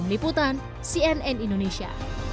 meliputan cnn indonesia